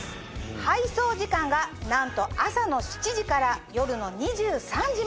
配送時間がなんと朝の７時から夜の２３時まで。